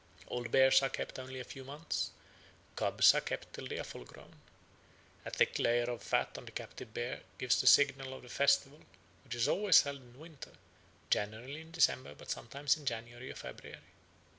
Old bears are kept only a few months; cubs are kept till they are full grown. A thick layer of fat on the captive bear gives the signal for the festival, which is always held in winter, generally in December but sometimes in January or February.